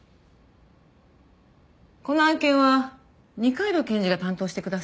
この案件は二階堂検事が担当してください。